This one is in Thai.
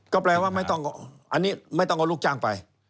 ก็แปลว่าอันนี้ไม่ต้องเอาลูกจ้างไป